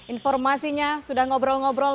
informasinya sudah ngobrol ngobrol